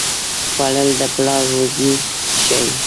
خوړل د پلار روزي ښيي